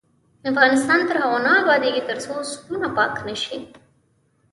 افغانستان تر هغو نه ابادیږي، ترڅو زړونه پاک نشي.